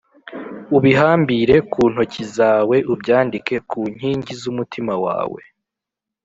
ubihambire ku ntoki zawe, ubyandike ku nkingi z’umutima wawe